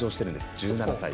１７歳で。